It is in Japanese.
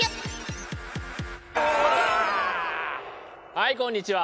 はいこんにちは。